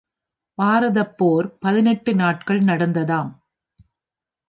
பாரதப் போர் பதினெட்டு நாட்கள் நடந்ததாம்.